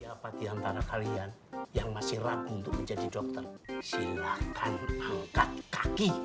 siapa di antara kalian yang masih ragu untuk menjadi dokter silahkan angkat kaki